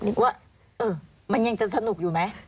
ว่ามันยังจะสนุกอยู่ไหม